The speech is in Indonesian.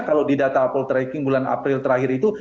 kalau di data apple tracking bulan april terakhir itu